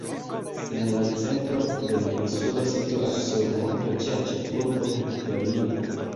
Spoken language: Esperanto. En la centro de la insulo situas sur monto ĝia ĉefurbo Viktorio.